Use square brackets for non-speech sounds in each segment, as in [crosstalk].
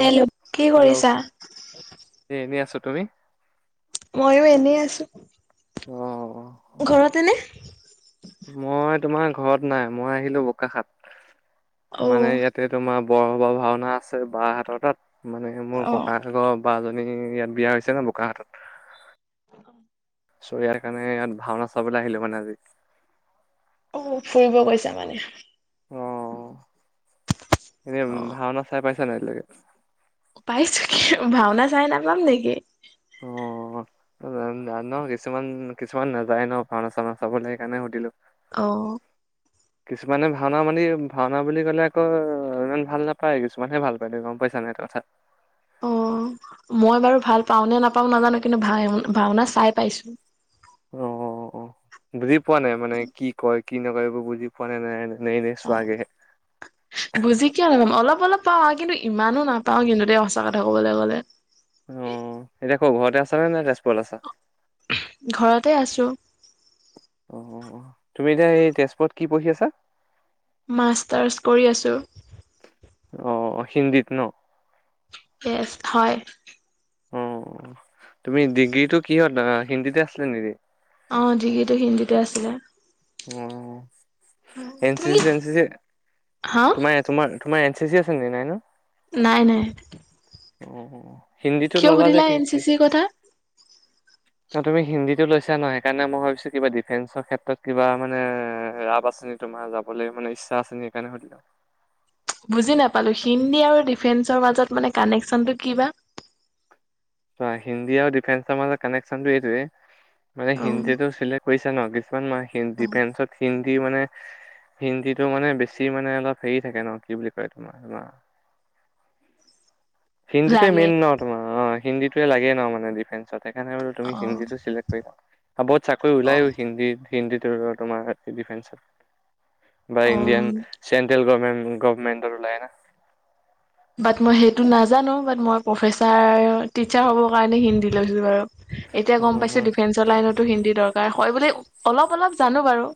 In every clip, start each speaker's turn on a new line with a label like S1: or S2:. S1: Hello কি
S2: hello
S1: কৰিছা?
S2: এ এনে আছো, তুমি?
S1: মইও এনেই আছো।
S2: অ'
S1: ঘৰতে নে?
S2: মই তোমাৰ ঘৰত নাই। মই আহিলো বোকাখাট মানে
S1: অ',
S2: ইয়াত তে তোমাৰ বৰ হবা ভাওনা আছে বাহঁতৰ তাত মানে মোৰ
S1: অ',
S2: ককা আগৰ বাজনী ইয়াত বিয়া হৈছে ন বোকাহাটত।
S1: অ।
S2: চ ইয়াৰ কাৰণে ইয়াত ভাওনা চাবলৈ আহিলো মানে আজি।
S1: অ ফুৰিব গৈছা মানে?
S2: অ এনে
S1: অ',
S2: ভাওনা চাই পাইছা নাই আজিলৈকে?
S1: পাইছো, কি ভাওনা চাই নাপাম নেকি?
S2: অ। ন কিছুমান কিছুমান নাযায় ন ভাওনা-চাওনা চাবলে সেইকাৰণে সুধিলো।
S1: অ।
S2: কিছুমানে ভাওনা মানি ভাওনা বুলি ক'লে আকৌ ইমান ভাল নাপায় কিছুমানহে ভাল পায় দেই। তুমি গম পাইছা নে এইটো কথা?
S1: অ মই বাৰু ভাল পাওঁ নে নাপাওঁ নাজানো, কিন্তু ভা ভাওনা চাই পাইছো।
S2: অ-অ-অ বুজি পোৱা নাই মানে কি কয়? কি নকয় এইবোৰ বুজি পোৱানে নাই? নে এনেই
S1: অ',
S2: চোৱাগেহে?
S1: বুজি কিয় নাপাম? অলপ অলপ পাওঁ আৰু কিন্তু ইমানো নাপাওঁ কিন্তু দেই সঁচা কথা ক'বলে গ'লে।
S2: অ এতিয়া ক'ত ঘৰতে আছা নে তেজপুৰত আছা?
S1: ঘৰতে আছো।
S2: অঅ, তুমি এতিয়া এই তেজপুৰত কি পঢ়ি আছা?
S1: মাষ্টাৰছ কৰি আছোঁ
S2: অ হিন্দীত ন
S1: ইয়েচ হয়
S2: অ তুমি ডিগ্ৰী টো কিহত হিন্দীতে আছিলে নেকি?
S1: অ ডিগ্ৰীটো হিন্দীতে আছিলে
S2: অ এন চি
S1: তুমি কি
S2: চি এন চি চি
S1: হা
S2: তোমাৰে তোমাৰ তোমাৰ এ চি চি আছে নেকি নাই ন?
S1: নাই নাই
S2: অ হিন্দীটো
S1: কিয়
S2: ললা যে
S1: সুধিলা
S2: কি
S1: এন চি
S2: কি
S1: চিৰ কথা?
S2: তুমি হিন্দীটো লৈছা ন সেইকাৰণেই ভাবিছোঁ কিবা দিফেন্সৰ ক্ষেত্ৰত কিবা মানে ৰাপ আছে নি তোমাৰ যাবলৈ মানে ইচ্ছা আছে নি সেইকাৰণে সুধিলো
S1: বুজি নাপালো হিন্দী আৰু ডিফেন্সৰ মাজত মানে কানেকচনটো কি বা
S2: ত হিন্দী আৰু ডিফেন্সৰ মাজত কানেকশচনতটো এইটোয়ে মানে
S1: উম
S2: হিন্দীটো চিল কৰিছা ন কিছুমান মই ডিফেন্সত হিন্দী মানে হিন্দীটো মানে বেছি মানে অলপ হেৰি থাকে ন কি বুলি কয় তোমাৰ তোমাৰ হিন্দীটোৱে
S1: লাগে
S2: মেইন ন তোমাৰ অ হিন্দীটোৱে লাগেই ন মানে ডিফেন্ঞ্চত সেইকাৰণে বোলো তুমি
S1: অ
S2: হিন্দীটো চিলেক্ট কৰিলা আৰু বহুত চাকৰি
S1: অ
S2: ওলায়ো হিন্দীত হিন্দীটোৰ তোমাৰ ডিফেঞ্চত বা
S1: উম
S2: ইণ্ডিয়ান চেন্ট্ৰেল গভমেণ্ট গভৰ্মেণ্টত ওলাই
S1: বাট মই সেইটো নাজানো বাত মই প্ৰফেচাৰ টিচাৰ হ'বৰ কাৰণে হিন্দী লৈছোঁ বাৰু এতিয়া গম পাইছোঁ ডিফেন্সৰ লাইনতো হিন্দী দৰকাৰ হয় বুলি অলপ অলপ জানো বাৰু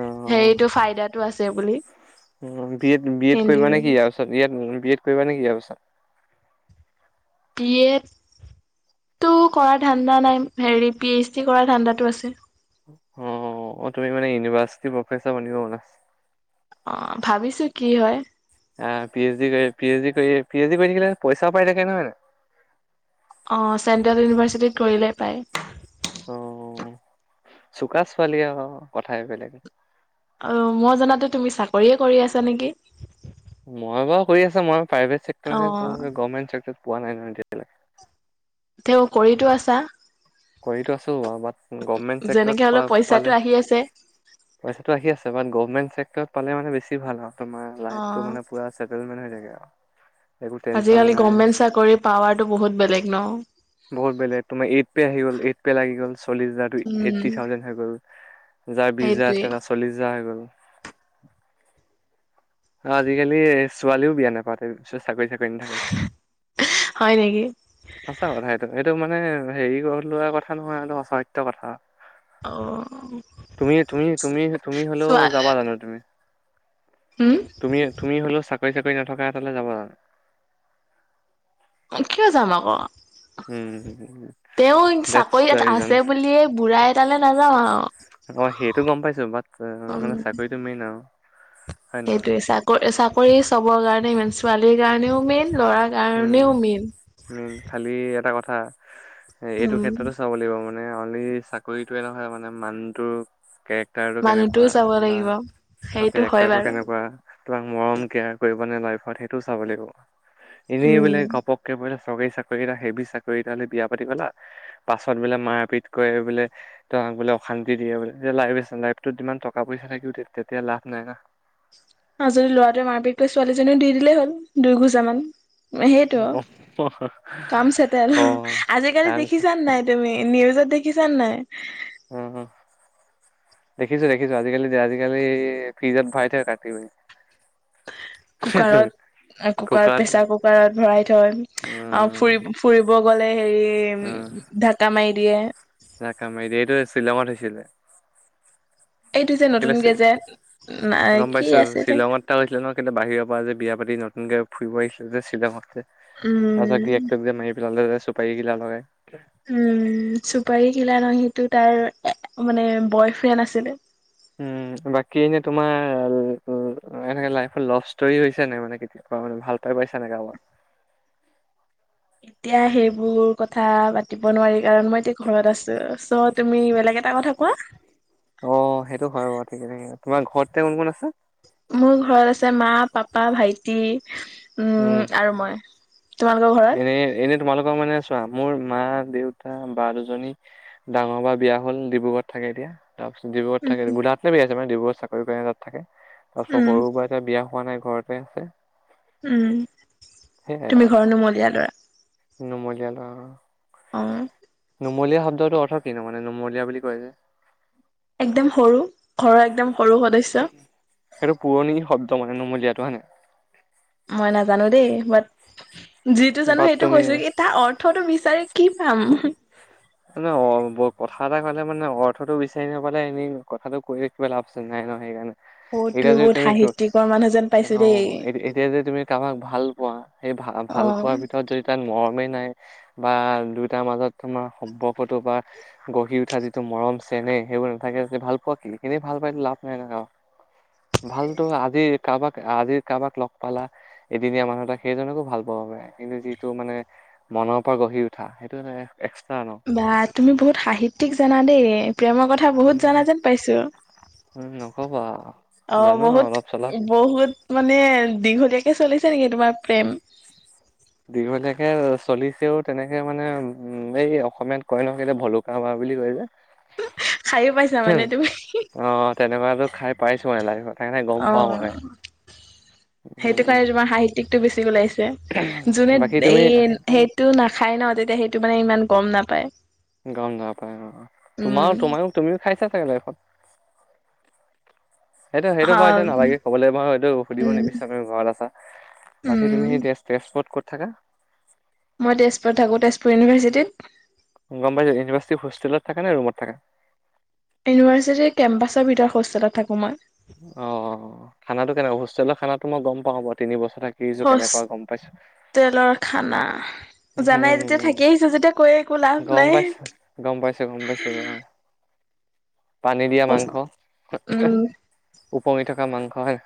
S2: অ
S1: সেৰিটো ফাইদাটো আছে বুলি
S2: উম B Ed B Ed
S1: Hindi
S2: কৰিবা নেকি ইয়াৰ ৰ পিছত ইয়াত বি এড কৰিবা নেকি ইয়াৰ পিছত
S1: বি এডটো কৰা ধান্দা নাই হেৰি পি এইচ ডি কৰা ধান্দাটো আছে
S2: অ অ তুমি মানে ইউনিভাৰ্চিটি প্ৰফেচাৰ বনিবা মানে
S1: অ ভাবিছোঁ কি হয়
S2: আ, পি এইছ ডি কৰি -পি এইছ ডি কৰি -পি এইছ ডি কৰি থাকিলে পইচাওঁ পাই থাকে নহয়
S1: অ', চেন্ট্ৰেল ইউনিভাৰ্চিটিত কৰিলে পায়।
S2: অ চুকা ছোৱালী আও কথাই বেলেগে
S1: অ মই জনাতো তুমি চাকৰিয়ে কৰি আছা নেকি
S2: মই বাৰু কৰি আছো মই প্ৰাইভেট চেক্টৰত হে
S1: অ'
S2: কৰোঁ গভমেণ্ট চেক্টৰত পোৱা নাই নহয় এতিয়া লৈকে
S1: তেওঁ কৰিটো আছা
S2: কৰিতো আছোঁ আও বাট গভমেন্ট
S1: যেনেকে
S2: চেক্টৰত
S1: হ'লেও পইচাটো
S2: পালে
S1: আহি আছে।
S2: পইচাটো আহি আছে বাত গভমেণ্ট চেক্টৰত পালে মানে বেছি ভাল আৰু তোমাৰ লাইফ টো
S1: অ'
S2: মানে পোৰা চেটেলমেণ্ট হৈ থাকে আও। সেইবোৰ টেনচন
S1: আজিকালি
S2: নাই
S1: গভমেন্ট চাকৰি পাৱাৰটো বহুত বেলেগ ন?
S2: বহুত বেলেগ তুমি এইট পে আহি গ'ল এইট পে লাগি গ'ল চল্লিশ হাজাৰ
S1: উম,
S2: এইটি থাউজেণ্ড হৈ গ'ল যাৰ বিছ হাজাৰ
S1: সেইটোৱে
S2: আছিলে তাৰ চ চল্লিছ হাজাৰ হৈ গ'ল। অহ, অজিকালি ছোৱালীও বিয়া নাপাতে চাকৰি- চাকৰি নাথাকিলে।
S1: হয় নেকি?
S2: সঁচা কথা এইটো, এইটো মানে হেৰি কৰি লোৱা কথা নহয় এইটো সঁচা অসত্য কথা।
S1: অ'
S2: তুমি- তুমি -তুমি -তুমি হ'লেওঁ
S1: চোৱা
S2: যাবা জানো তুমি?
S1: উম,
S2: তুমি- তুমি হলেওঁ চাকৰি- চাকৰি নথকা এটালে যাবা?
S1: কিয় যাম আক।
S2: উম
S1: তেওঁ
S2: দেটছ
S1: চাকৰি
S2: দা
S1: এটা
S2: ৰিজন
S1: আছে বুলিয়ে বুঢ়া এটালে নাযাওঁ আও।
S2: অহ, সেইটো গম পাইছো বাট মানে চাকৰিটো মেইন আও।
S1: সেইটোয়ে চাকৰি -চাকৰি চবৰ কাৰণে মেইন ছোৱালীৰ কাৰণেও মেইন ল'ৰা
S2: উম
S1: কাৰণেও মেইন।
S2: মেইন খালি এটা কথা এইটো
S1: উম,
S2: ক্ষেত্ৰতো চাব লাগিব ম মানে অনলি চাকৰিতোৱে নহয় মানে মানুহটো কেৰেক্টাৰটো
S1: মানুহটোও
S2: কেনেকুৱা
S1: চাব
S2: বা
S1: লাগিব সেইটো হয়
S2: কেৰেক্টাৰটো
S1: বাৰু।
S2: কেনেকুৱা তোমাক মৰম কেয়াৰ কৰিব নে লাইফত সেইটো চাব লাগিব। এনেই বোলে
S1: উম
S2: গপক্কে বোলে চৰকাৰী চাকৰি এটা হেবি চাকৰি এটালে বিয়া পাতি গ'লা পাছত বোলে মাৰ পিট কৰে বোলে তোমাক বোলে অশান্তি দিয়ে বোলে এতিয়া লাইফ আছে লাইফটোত যিমান টকা -পইচা থাকি উঠি তেতিয়া লাভ নাই না।
S1: আৰু যদি ল'ৰাটোৱে মাৰপিট কৰে ছোৱালীজনীও দি দিলেই হ'ল দুই ঘোচা মান। সেইটো আও কাম চেটেল
S2: অ
S1: আজিকালি
S2: কাৰণ
S1: দেখিছা নে নাই তুমি নিউজত দেখিছা নে নাই?
S2: [unintelligible] দেখিছোঁ- দেখিছোঁ আজিকালি যে আজিকালি ফ্ৰিজত ভৰাই থৈ কাটি মে
S1: কুকাৰত- কুকাৰত প্ৰেচাৰ কুকাৰত ভৰাই থয় আহ,
S2: উম
S1: ফুৰিব ফুৰিব গ'লে হেৰি উম ঢাক্কা মাৰি দিয়ে
S2: ঢাক্কা মাৰি দিয়ে এইটো শ্বিলঙত হৈছিলে।
S1: এইটো যে নতুন
S2: কেলে
S1: কেজে
S2: গম
S1: কি
S2: পাইছো
S1: আছিলে
S2: শ্বিলঙত এটা হৈছিলে ন' [unintelligible] বাহিৰৰ পৰা যে বিয়া পাতি নতুনকে ফুৰিব আহিছিল যে শ্বিলঙত যে। তাছত
S1: উম
S2: গিৰিয়েকটোক যে মাৰি পেলালে যে চুপাৰী কিলাৰ লগাই।
S1: উম, চুপাৰী কিলা নহয় সিটো তাইৰ মানে বয় ফ্ৰেণ্ড আছিলে।
S2: উম, বাকী এনে তোমাৰ এনে লাইফৰ লফ ষ্টৰি হৈছে নাই মানে কেতিয়া হয় ভালপাই পাইছা নে কৰোবাক?
S1: এতিয়া সেইবোৰ কথা পাতিব নোৱাৰি কাৰণ মই এতিয়া ঘৰত আছো চত তুমি বেলেগ এটা কথা কোৱা?
S2: অ, সেইটো হয় বাৰু ঠিকে -ঠিকে তোমাৰ ঘৰততে কোন- কোন আছে?
S1: মোৰ ঘৰত আছে মা, পাপা, ভাইটি উম আৰু মই। তোমালোকৰ ঘৰত
S2: এনে -এনে তোমালোকক মানে চোৱা মোৰ মা, দেউতা বা দুজনী ডাঙৰ বা বিয়া হ'ল ডিব্ৰুগড়ত থাকে এতিয়া তাৰপিছত ডিব্ৰুগড়ত থাকে
S1: উম
S2: গুলাঘাট লে বিয়া হৈছে মানে ডিব্ৰুগড়ত চাকৰি কৰে তাত থাকে তাছত
S1: উম
S2: সৰু বাইদেউ বিয়া হোৱা নাই ঘৰতে আছে।
S1: উম,
S2: সেয়াই
S1: তুমি
S2: আৰু
S1: ঘৰ নুমলীয়া ল'ৰা।
S2: নুমলীয়া ল'ৰা অ।
S1: অ',
S2: নুমলীয়া শব্দটো অৰ্থ কিনো মানে নুমলীয়া বুলি কৈ যে?
S1: একদম সৰু ঘৰৰ একদম সৰু সদস্য।
S2: সেইটো পুৰণি শব্দ মানে নুমলীয়াটো হয় নাই?
S1: মই নাজানো দেই বাট যিটো জানো
S2: বাট
S1: সেইটো
S2: তুমি
S1: কৈছো ই তাৰ অথ ৰ্থটো বিচাৰি কি পাম?
S2: মানে অ, কথা এটা কলে মানে অৰ্থটো বিচাৰি নাপালে এনেই কথাটো কৈ কিবা লাভ আছে নাই ন'সেইকাৰণে।
S1: অহ, তুমি বহুত সাহিত্যৰ মানে?
S2: অ, এতিয়া যে তুমি কাৰোবাক ভাল পোৱা সেই ভাল পোৱা সেই
S1: অ
S2: ভালপোৱাৰ ভিতৰত যদি [unintelligible] মৰমেই নাই বা দুয়টাৰ মাজত তোমাৰ সম্পৰ্কতটো বা গঢ়ি উঠা যিটো মৰম চেনেহ সেইবোৰ নাথাকে যেতিয়া ভাল পোৱা কি এনে ভাল পায়টো লাভ নাই নহয় আ ভালতো আজি কাৰোবাক - আজি কাৰোবাক লগ পালা এদিনীয়া মানুহ এটা সেইজনকো ভাল পাব পাৰে কিন্তু যিটো মানে মনৰ পৰা গঢ়ি উঠা সেইটো এটা এক
S1: বা তুমি বহুত সাহিত্যিক জানা দে প্ৰেমৰ কথা বহুত
S2: উম
S1: জানা যেন পাইছো
S2: - উম নকবা
S1: অ
S2: জানো আৰু
S1: বহুত
S2: অলপ চলপ।
S1: বহুত মানে দীঘলীয়াকে চলিছে নেকি তোমাৰ প্ৰেম?
S2: [inaudible] দীঘলীয়াকে চলিছেও তেনেকে মানে উম, এই অসমীয়াত কয় ন কেলে ভলো কা বাহ বুলি কয় যে।
S1: খাইএ পাইছা মানে তুমি?
S2: অ, তেনেকুৱাতো খাই পাইছো মানে লাইফত। সেইকাৰণে গম
S1: অ,
S2: পাও মানে
S1: সেইটো
S2: উম
S1: কাৰণে তোমাৰ সাহিত্যিকটো বেছি ওলাইছে। যোনে
S2: বাকী
S1: এই
S2: তুমি
S1: সেইটো নাখায় ন, তেতিয়া সেইটো মানে ইমান গম নাপায়।
S2: গম পায় অ' অ', তোমাৰো
S1: উম
S2: তোমো তুমিও খাইছা চাগে লাইফত। সেইটো, সেইটো
S1: হা
S2: বাৰু এতিয়া নালাগে কবলৈ বাৰু সেইটো সুধিব
S1: উম
S2: নিবিচাৰো, তোমি ঘৰত আছা। বাকী
S1: উম
S2: তুমি স তেজ তেজপুৰত ক'ত থাকা?
S1: মই তেজপুৰ থাকো, তেজপুৰ ইউনিভাৰ্চিটিত।
S2: গমপাইছো, ইউভাৰ্চিট হোষ্টেলত থাকা নে ৰোমত থাকা?
S1: ইউনিভাৰ্চিটিৰ কেম্পাছৰ ভিতৰত হোষ্টেলত থাকো মই।
S2: অ, খানাতো কেনেকোৱা? হোষ্টেলৰ খানাটো মই গম পাওঁ বাৰু, তিন বছৰ থা [unintelligible] কিছু কেনেকুৱা গম পাইছো।
S1: তেলৰ খানা জানাই যেতিয়া,
S2: উম
S1: থাকি আহিছো যেতিয়া কৈ একো লাভ
S2: গম
S1: নাই।
S2: পাইছো গম পাইছো গম পাইছো অ। পানী দিয়া মাংস,
S1: উম
S2: উপঙি থকা মাংস হে।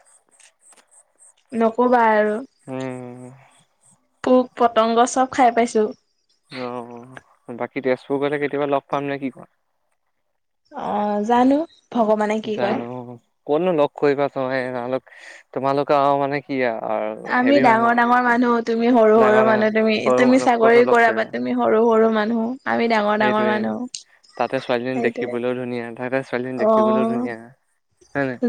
S1: নকবা আৰু।
S2: উম
S1: পোক পতংগ চব খাই পাইছো।
S2: অ, বাকী তেজপুৰ গলে কেতিয়াবা লগ পাম নে কি কোৱা।
S1: অ, জানো। ভগৱানে কি কৰে।
S2: জানো, কোনো লগ কৰিব [unintelligible] তোমালোকে আৰু মানে কি আৰু
S1: আমি
S2: হেভি মানুহ
S1: ডাঙৰ-ডাঙৰ মানুহ, তুমি সৰু-সৰু
S2: ডাঙৰ ডাঙৰ
S1: মানুহ, তুমি,
S2: সৰু
S1: তুমি
S2: মানুহ ক'তনো
S1: চাকৰি
S2: লগ
S1: কৰা বা তুমি আমি সৰু-সৰু মানুহ।
S2: সেইটোয়ে, তাতে ছোৱালীজনী
S1: সেইটোৱে।
S2: দেখিবলৈও ধুনীয়া, তাতে ছোৱালীজনী দেখি
S1: অ,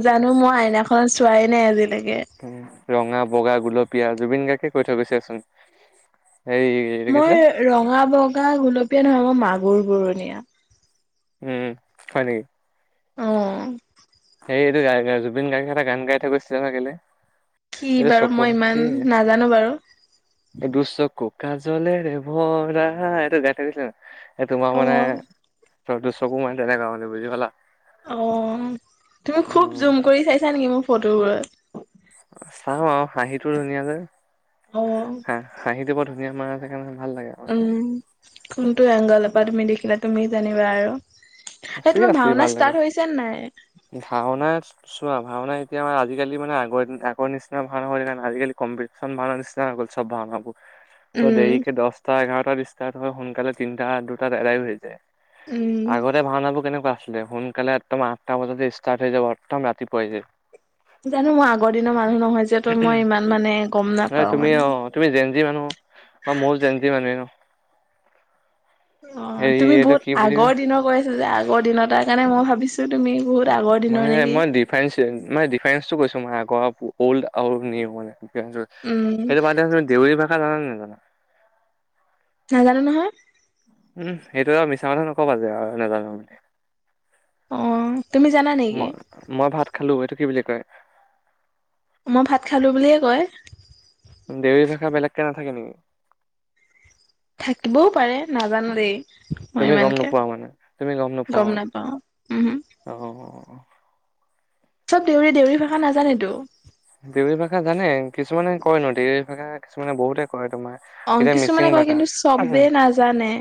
S1: জানো মই আইনাখনত চোৱ নাই আজিলৈকে।
S2: উম, ৰঙা, বগা, গুলপীয়া, জুবিন গাৰ্গে কৈ থৈ গৈছেচোন, এই
S1: মই ৰঙা বগা গোলপীয়া নহয়, মই মাগুৰ বুৰণীয়া।
S2: উম, হয় নেকি?
S1: অ'।
S2: সেইটো [unintelligible] গায়, জুবিন গাৰ্গে এটা গান গাই থই গৈছিলে ন কেলে।
S1: কি
S2: এইটো
S1: বাৰু
S2: চকু
S1: মই
S2: কি
S1: ইমান নাজানো বাৰু।
S2: দুচকু কাজলেৰে ভৰা, এইটো গাঠ দিছিলে ন এই তোমাৰ
S1: অ।
S2: মানে চ-চকু মানে তেনেকা মানে, বুজি পালা।
S1: অ, তুমি খুব
S2: উম,
S1: জুম কৰি চাইছা নেকি মোৰ ফটোবোৰত?
S2: চাও আৰু হাঁহিটো ধুনীয়াকৈ।
S1: অ'।
S2: হাঁ হাঁহিটো বৰ ধুনীয়া মাৰা যে, সেকাৰণে ভাল লাগে আৰু।
S1: উম, কোনটো এংগলৰ পৰা তুমি দেখিলা, তুমি জানিবা আৰু। এ তোমাৰ ভাওনা ষ্টাৰ্ট হৈছেন নাই?
S2: ভাওনাৰ চোৱা, ভাওনা এতিয়া মানে আজিকালি মানে আগৰ দিন আগৰ নিচিনা ভাওনা হৈ থকা নাই, আজিকালি কমপি খন নিচিনা হৈ গল, চব ভাওনা বোৰ। চ'
S1: উম
S2: দেৰিকে দচটা এঘাৰটাত ষ্টাৰ্ট হয়, সোনকালে তিনিটা দুটাত এদাই হৈ যায়।
S1: উম
S2: আগতে ভাওনাবোৰ কেনেকুৱা আছিলে, সোনকালে একদম আঠটা বজাতে ষ্টাৰ্ট হৈ যাব, এডম ৰাতিপুৱাই যায়।
S1: জানো মই আগৰ দিনৰ মানুহ নহয় যে, তহ মই ইমান মানে গম
S2: এই
S1: নাপাও
S2: তুমি অ
S1: মানে।
S2: তুমি জেণ্জি মানুহ, বা মইয়ো জেণ্জি মানুহে ন।
S1: অ,
S2: হেৰি
S1: তুমি
S2: এইটো
S1: বহুত
S2: কি বুলি কয়
S1: আগৰ দিনৰ কৈ আছা যে, আগৰ দিনৰ, তাৰ কাৰণে মই ভাবিছো তুমি বহুত আগৰ
S2: মানে
S1: দিনৰ নেকি।
S2: মই ডিফাৰেঞ্চ, মানে ডিফাৰেঞ্চটো কৈছোঁ মই আগৰ অল্ড আৰু নিউ মানে, দিফেৰেন।
S1: উম
S2: সেইটো বাদ দিয়া [unintelligible] তুমি দেউৰী ভাষা জানা নে নাজানা?
S1: নাজানো নহয়।
S2: উম সেইটো আৰু মিছা কথা নক'বা যে আৰু নাজানো বুলি।
S1: অ তুমি জানা নেকি?
S2: মই মই ভাত খালো এইটো কি বুলি কয়?
S1: মই ভাত খালো বুলিয়ে কয়।
S2: দেউৰী ভাষা বেলেগকে নাথাকে নেকি?
S1: থাকিবও পাৰে নাজানো দেই। মই
S2: তুমি গম
S1: ইমানকে
S2: নোপোৱা মানে, তুমি গম নোপোৱা মানে,
S1: নাপাও উম
S2: অ।
S1: চব দেউৰী দেউৰী ভাষা নাজানেটো।
S2: দেউৰী ভাষা জানে কিছুমানে কয় ন দেউৰী ভাষা কিছুমানে বহুতে কয় তোমাৰ।
S1: অ
S2: এতিয়া মিচিং
S1: কিছুমানে কয়
S2: ভাষা
S1: কিন্তু চবেই নাজানে।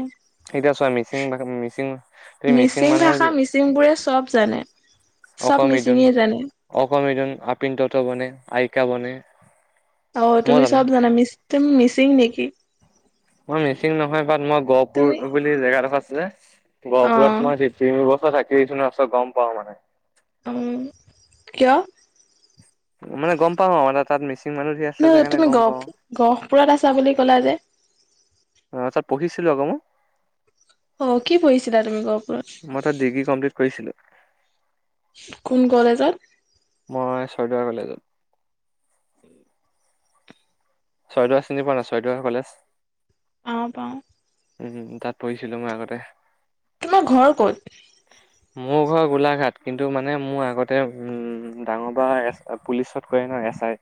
S2: এতিয়া চোৱা মিচিং ভাষা মিচিং তুমি
S1: মিচিং
S2: মানুহক
S1: ভাষা মিচিংবোৰে চব জানে। চব
S2: অকমিদন
S1: মিচিঙে জানে
S2: অকমিদন আপিন দত বনে আইকা বনে।
S1: অ
S2: মই
S1: তুমি
S2: জানো
S1: চব জানা। মিচ তুমি মিচিং নেকি?
S2: মই মিচিং নহয় বাট মই গহপুৰ
S1: তুমি
S2: বুলি জেগাডোখৰ আছে যে
S1: অ
S2: গহপুৰত মই তে তিনি বছৰ থাকি আহিছো ন, ছ গম পাওঁ মানে।
S1: অ, কিয়?
S2: মানে গম পাওঁ আৰু মানে তাত মিচিং মানুহ ধেই আছে। যে
S1: নহ
S2: সেইকাৰণে
S1: তুমি
S2: গম
S1: গহপ
S2: পাওঁ।
S1: গহপুৰত আছা বুলি ক'লা যে।
S2: অ তাত পঢ়িছিলো আক' মই।
S1: অ কি পঢ়িছিলা তুমি গহপুৰত?
S2: মই তাত ডিগ্ৰী কমপ্লিট কৰিছিলো।
S1: কোন কলেজত?
S2: মই ছয়দুৱাৰ কলেজত। ছয়দোৱাৰ চিনি পোৱা নাই ছয়দোৱা কলেজ?
S1: অ পাওঁ।
S2: উম তাত পঢ়িছিলো মই আগতে।
S1: তোমাৰ ঘৰ ক'ত?
S2: [inaudible] মোৰ ঘৰ গোলাঘাট, কিন্তু মানে মোৰ আগতে উম ডাঙৰ বা পুলিচত কৰে ন এছ আই।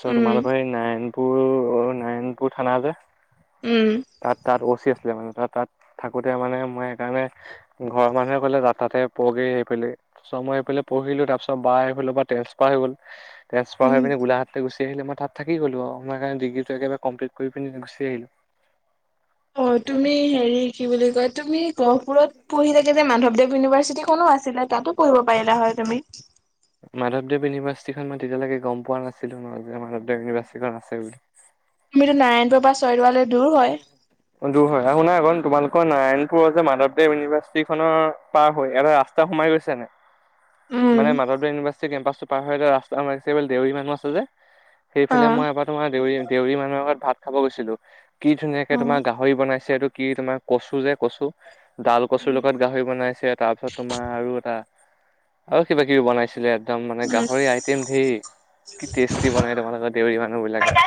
S2: চ'
S1: উম
S2: তোমালোকৰ এই নাৰায়ণপুৰ অ নাৰায়ণপুৰ থানা যে
S1: উম।
S2: তাত তাত অ চি আছিলে মানে। ত তাত থাকোতে মানে মই সেইকাৰণে ঘৰৰ মানুহে ক'লে যা তাতে পঢ়গে‌ সেইবুলি। তাৰপিছত মই এইফালে পঢ়িলো। তাৰ পিছত বা সেইফালৰ পৰা ট্ৰেঞ্চপাৰ হৈ গ'ল। ট্ৰেঞ্চফাৰ
S1: উম
S2: হৈ পিনি গোলঘাটলে গুচি আহিলে। মই তাত থাকি গ'লো। মই সেইকাৰণে ডিগ্ৰীটো একেবাৰে কমপ্লিট কৰি পিনি গুচি আহিলো।
S1: অ তুমি হেৰি কি বুলি কয় তুমি গহপুৰত পঢ়ি থাকে যে মাধৱদেৱ ইউনিভাৰ্চিটি খনো আ ছিলে তাতো পঢ়িব পাৰিলা হয় তুমি।
S2: মাধৱদেৱ ইউনিভাৰ্চিটি খন মই তেতিয়ালৈকে গম পোৱা নাছিলো নহয় যে মাধৱদেৱ ইউনিভাৰ্চিটি খন আছে বুলি।
S1: তুমিতো নাৰায়ণপুৰৰ পৰা ছয়দোৱালে দূৰ হয়।
S2: অ দূৰ হয় আৰু শুনা এইখন তোমালোকৰ নাৰায়ণপুৰৰ যে মাধৱদেৱ ইউনিভাৰ্চিটি খনৰ পাৰ হৈ এটা ৰাচ তা সোমাই গৈছে নে? মানে
S1: উম।
S2: মাধৱদেৱ ইউনিভাৰ্চিটি কেম্পাছটো পাৰ হৈ এটা ৰাস্তা সোমাইছে সেইফালে দেউৰী মানুহ আছে যে। সেইফালে
S1: অ'।
S2: মই এবাৰ তোমাৰ দেউৰী দেউৰী মানুহ এঘৰত ভাত খাব গৈছিলো। কি ধুনীয়াকে তোমাৰ
S1: উম।
S2: গাহৰি বনাইছে এইটো কি তোমাৰ কচু যে কচু ডাল কচুৰ লগত গাহৰি বনাইছে। তাৰপিছত তোমাৰ আৰু এটা আৰু কিবা-কিবি বনাইছিলে। একদম মানে
S1: উম।
S2: গাহৰি আইটেম ধেৰ। কি টেষ্টি বনাই তোমালোকৰ দেউৰী মানুহ বিলাকে।